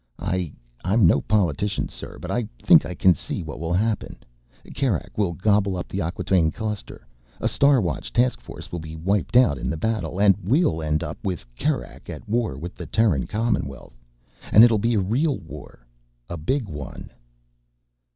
I ... I'm no politician, sir, but I think I can see what will happen. Kerak will gobble up the Acquataine Cluster ... a Star Watch task force will be wiped out in the battle ... and we'll end up with Kerak at war with the Terran Commonwealth. And it'll be a real war ... a big one."